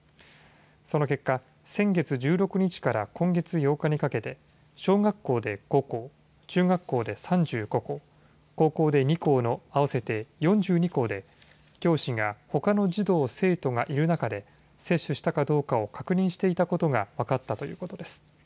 その結果、先月１６日から今月８日にかけて、小学校で５校、中学校で３５校、高校で２校の合わせて４２校で、教師がほかの児童・生徒がいる中で、接種したかどうかを確認していたことが分かったということです。